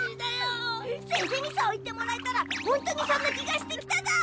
せんせにそう言ってもらえたらほんとにそんな気がしてきただ。